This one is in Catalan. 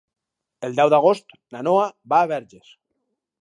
El deu d'agost na Noa va a Verges.